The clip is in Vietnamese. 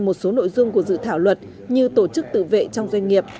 một số nội dung của dự thảo luật như tổ chức tự vệ trong doanh nghiệp